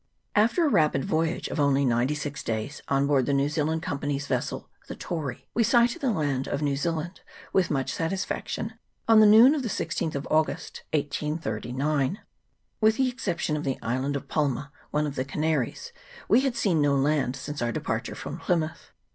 AFTER a rapid voyage of only ninety six days, on board the New Zealand Company's vessel the Tory, we sighted the land of New Zealand with much satisfaction on the noon of the 16th of August, 1839. With the exception of the Island of Palma, one of the Canaries, we had seen no land since our departure from Plymouth.